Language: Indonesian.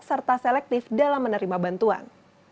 serta selektif dalam menerima bantuan